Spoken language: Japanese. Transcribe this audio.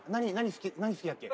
何好きだっけ？